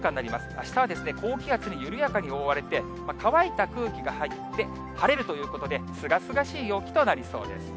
あしたは高気圧に緩やかに覆われて、乾いた空気が入って、晴れるということで、すがすがしい陽気となりそうです。